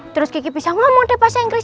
terus kiki bisa ngomong deh bahasa inggris